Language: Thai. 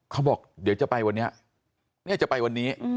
เขาบอกเดี๋ยวจะไปวันนี้เนี่ยจะไปวันนี้